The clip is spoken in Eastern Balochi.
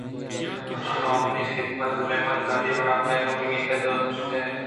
ترا مئے حذمت ءُمہمانداری ئے وڑ ءُ پیم بہ گندے دوست مہ بنت بلئے مئے رسم نہ اِنت کہ ما ہرکس پہ دیم ءِ حاتربہ کناں